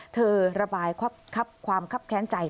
ระบายความคับแค้นใจ